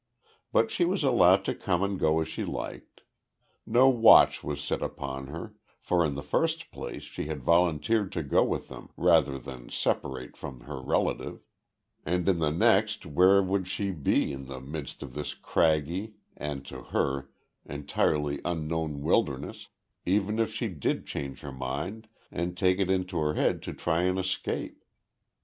But she was allowed to come and go as she liked. No watch was set upon her, for in the first place she had volunteered to go with them rather than separate from her relative, and in the next where would she be in the midst of this craggy, and, to her, entirely unknown wilderness, even if she did change her mind, and take it into her head to try and escape.